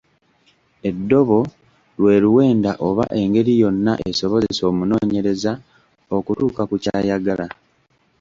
Eddobo lwe luwenda oba engeri yonna esobozesa omunoonyereza okutuuka ku ky’ayagala.